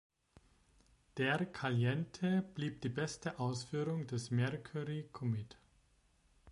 Der Caliente blieb die beste Ausführung des Mercury Comet.